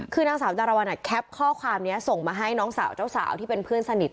คือนางสาวดารวรรณแคปข้อความนี้ส่งมาให้น้องสาวเจ้าสาวที่เป็นเพื่อนสนิท